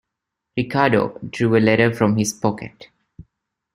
Ricardo drew a letter from his pocket.